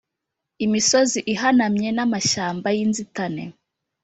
imisozi ihanamye n amashyamba y inzitane